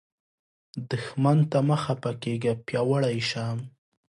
دښمن ته مه خفه کیږه، پیاوړی شه